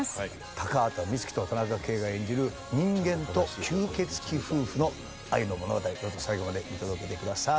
高畑充希と田中圭が演じる人間と吸血鬼夫婦の愛の物語どうぞ最後まで見届けてください。